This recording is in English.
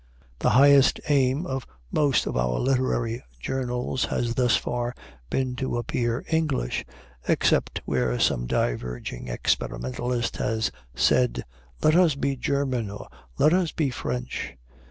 The highest aim of most of our literary journals has thus far been to appear English, except where some diverging experimentalist has said, "Let us be German," or "Let us be French."